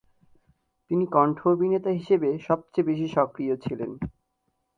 তিনি কণ্ঠ অভিনেতা হিসেবে সবচেয়ে বেশি সক্রিয় ছিলেন।